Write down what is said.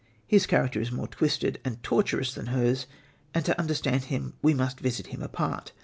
His character is more twisted and tortuous than hers, and to understand him we must visit him apart.